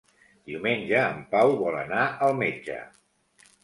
Diumenge en Pau vol anar al metge.